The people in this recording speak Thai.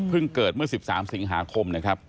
เกิดเมื่อ๑๓สิงหาคมนะครับ